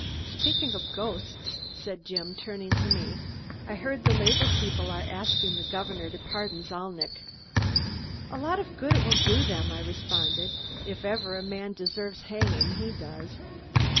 "Speaking of ghosts," said Jim turning to me, "I hear the labor people are asking the governor to pardon Zalnitch." "A lot of good it will do them," I responded. "If ever a man deserved hanging, he does."